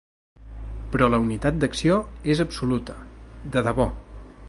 Però la unitat d’acció és absoluta, de debò.